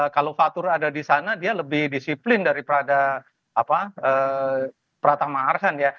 kalau fatur ada di sana dia lebih disiplin daripada pratama arsen ya